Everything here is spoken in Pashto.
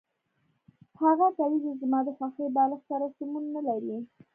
هغه کلیزه زما د خوښې بالښت سره سمون نلري